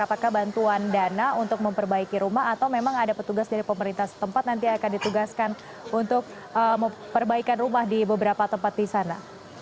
apakah bantuan dana untuk memperbaiki rumah atau memang ada petugas dari pemerintah setempat nanti akan ditugaskan untuk perbaikan rumah di beberapa tempat di sana